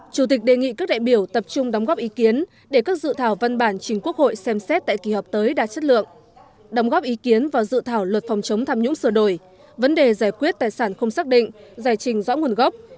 chủ tịch đề nghị các đại biểu tập trung đóng góp ý kiến để các dự thảo văn bản chính quốc hội xem xét tại kỳ họp tới đạt chất lượng đóng góp ý kiến vào dự thảo luật phòng chống tham nhũng sửa đổi vấn đề giải quyết tài sản không xác định giải trình rõ nguồn gốc